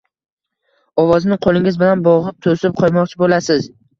Ovozini qo‘lingiz bilan bo‘g‘ib to‘sib qo‘ymoqchi bo‘lasiz?